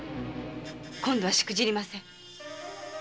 今度はしくじりません！